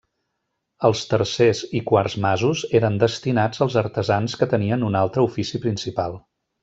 Els tercers i quarts masos eren destinats als artesans que tenien un altre ofici principal.